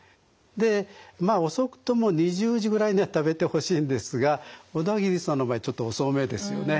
でまあ遅くとも２０時ぐらいには食べてほしいんですが小田切さんの場合ちょっと遅めですよね。